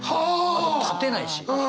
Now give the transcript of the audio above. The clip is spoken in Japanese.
あと立てないし。